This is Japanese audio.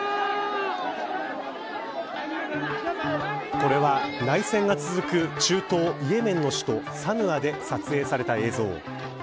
これは内戦が続く中東イエメンの首都サヌアで撮影された映像。